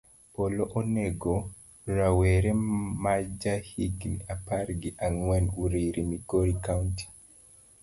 Polo onego rawera maja higni apar gi ang'wen uriri, migori kaunti.